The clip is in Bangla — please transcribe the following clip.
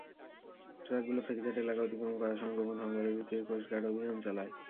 ট্রাকগুলো ফেরিঘাট এলাকা অতিক্রম করার সময় গোপন সংবাদের ভিত্তিতে কোস্টগার্ড অভিযান চালায়।